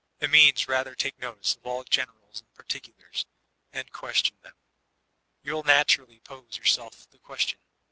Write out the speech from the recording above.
It means rather take notice of all generals and particulars, and question them. You will naturally pose yourself the question.